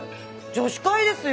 女子会ですよ。